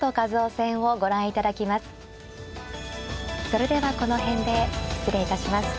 それではこの辺で失礼いたします。